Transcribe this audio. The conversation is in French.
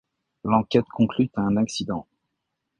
L'enquête conclut à un accident.